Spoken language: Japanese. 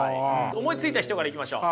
思いついた人からいきましょう。